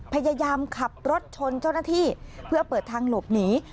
พยายามขับรถชนเจ้าหน้าที่เพื่อเปิดทางหลบหนี